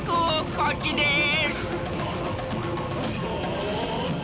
こっちです！